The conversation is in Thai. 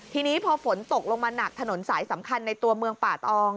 ทีนี้พอฝนตกลงมาหนักถนนสายสำคัญในตัวเมืองป่าตอง